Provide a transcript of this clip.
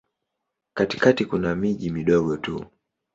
Katikati kuna miji midogo tu.